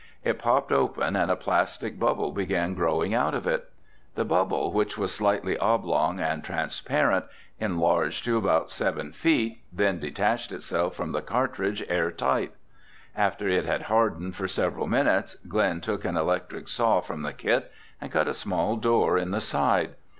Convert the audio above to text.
It popped open and a plastic bubble began growing out of it. The bubble, which was slightly oblong and transparent, enlarged to about seven feet, then detached itself from the cartridge airtight. After it had hardened for several minutes, Glen took an electric saw from the kit and cut a small door in the side.